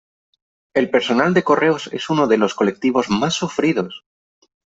El personal de correos es uno de los colectivos más sufridos.